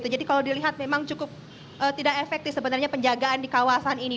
jadi kalau dilihat memang cukup tidak efektif sebenarnya penjagaan di kawasan ini